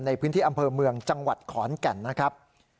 ในพื้นที่อำเภอเมืองจังหวัดขอนแก่นนะครับ